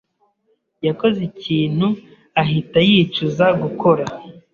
yakoze ikintu ahita yicuza gukora.